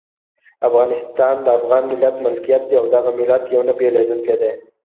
افغانستان د افغان ملت ملکیت دی او دغه ملت یو او نه بېلیدونکی دی.